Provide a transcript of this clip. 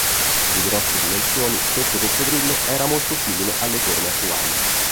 Di grosse dimensioni, questo coccodrillo era molto simile alle forme attuali.